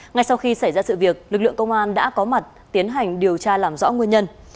ngay sau khi xảy ra sự việc lực lượng công an đã có mặt tiến hành điều tra làm rõ nguyên nhân